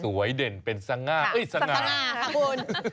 สวยเด่นเป็นสง่าสง่าพูด